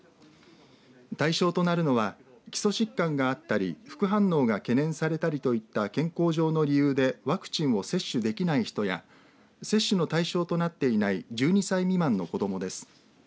対象となるのは基礎疾患があったり副反応が懸念されたりといった健康上の理由でワクチンを接種できない人や接種の対象となっていない１２歳未満の子どもです。